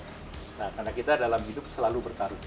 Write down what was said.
nah karena kita dalam hidup selalu bertarung